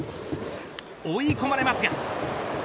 追い込まれますが。